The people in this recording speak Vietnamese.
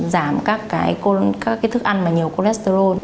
giảm các thức ăn mà nhiều cholesterol